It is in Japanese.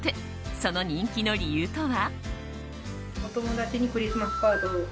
その人気の理由とは？